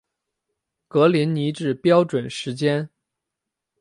格林尼治标准时间